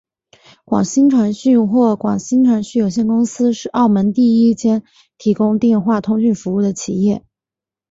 广星传讯或广星传讯有限公司是澳门第一间提供电话通讯服务的企业。